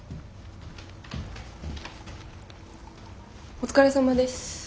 お疲れさまです。